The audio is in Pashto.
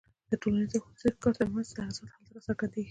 د ټولنیز او خصوصي کار ترمنځ تضاد هلته راڅرګندېږي